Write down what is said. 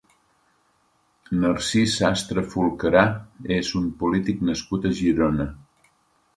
Narcís Sastre Fulcarà és un polític nascut a Girona.